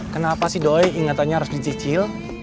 kenapa si doi ingatannya harus dicicil